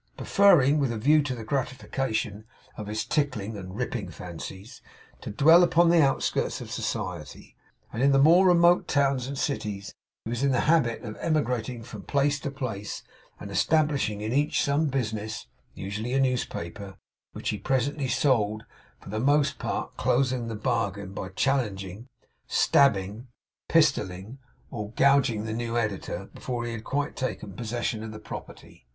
Preferring, with a view to the gratification of his tickling and ripping fancies, to dwell upon the outskirts of society, and in the more remote towns and cities, he was in the habit of emigrating from place to place, and establishing in each some business usually a newspaper which he presently sold; for the most part closing the bargain by challenging, stabbing, pistolling, or gouging the new editor, before he had quite taken possession of the property.